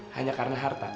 hanya karena harta